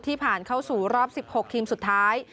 ผ่านเข้าสู่รอบ๑๖ทีมสุดท้าย